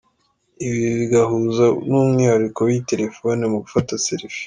Ibi bigahuza n’umwihariko w’iyi telefone mu gufata selfie.